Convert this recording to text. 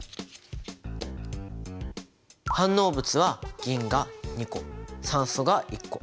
反応物は銀が２個酸素が１個。